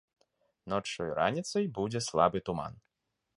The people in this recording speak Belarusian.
Ноччу і раніцай будзе слабы туман.